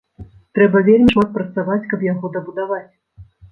Трэба вельмі шмат працаваць, каб яго дабудаваць!